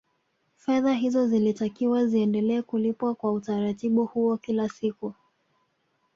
Fedha hizo zilitakiwa ziendelee kulipwa kwa utaratibu huo kila siku